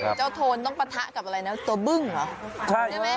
เจ้าโทนต้องปะทะกับอะไรนะตัวบึ้งเหรอใช่ไหม